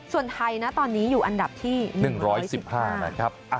ส่วนไทยนะตอนนี้อยู่อันดับที่๑๑๕นะครับ